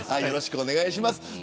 よろしくお願いします。